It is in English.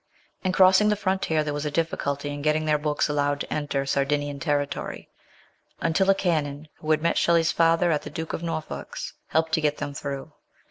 In crossing the frontier there was a difficulty in getting their books allowed to enter Sardinian terri tory, until a Canon, who had met Shelley's father at the Duke of Norfolk's, helped to get them through.